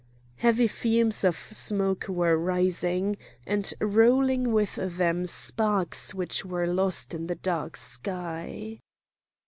Heavy fumes of smoke were rising, and rolling with them sparks which were lost in the dark sky.